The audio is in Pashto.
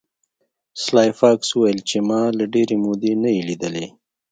سلای فاکس وویل چې ما له ډیرې مودې نه یې لیدلی